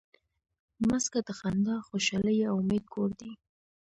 مځکه د خندا، خوشحالۍ او امید کور دی.